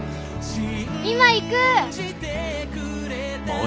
今行く！